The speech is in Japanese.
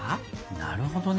なるほどね。